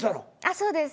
そうです。